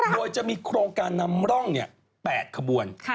โดยจะมีโครงการนำร่อง๘ขบวน